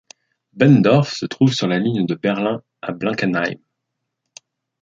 Benndorf se trouve sur la ligne de Berlin à Blankenheim.